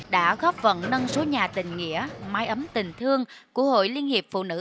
đã góp vận nâng số nhà tình nghĩa mái ấm tình thương của hội liên hiệp phụ nữ